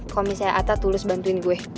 kalau misalnya atta tulus bantuin gue